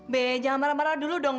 b jangan marah marah dulu dong